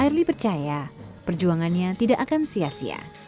airly percaya perjuangannya tidak akan berakhir